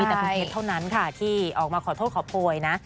มีแต่พฤตเท่านั้นค่ะที่ออกมาขอโทษขอโพยนะ